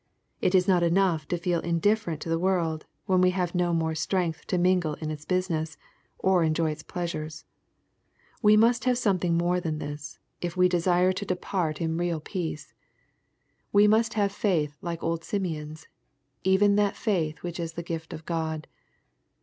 It is not enough to feel indif ferent to the world, when we have no more strength to mingle in its business, or enjoy its pleasures. We must have something more than this, if we desire to depart in 68 EZPOSITOBT THOUaHTS. real peace. We most have faith like old Simeon's, even that fiiith which is the gift of God.